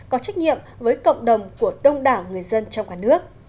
có trách nhiệm với cộng đồng của đông đảo người dân trong cả nước